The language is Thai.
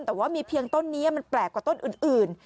แต่ว่ามีเพียงต้นนี้มันแปลกกว่าต้นอื่น